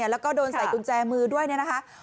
แล้วก็โดนใส่กุญแจมือด้วยเนี่ยนะคะ